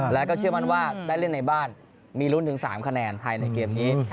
แล้วก็เชื่อมั่นว่าได้เล่นในบ้านมีลุ้นถึง๓คะแนนภายในเกมนี้